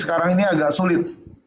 sekarang ini agak sulit